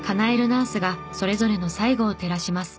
ナースがそれぞれの最期を照らします。